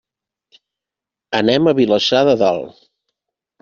Anem a Vilassar de Dalt.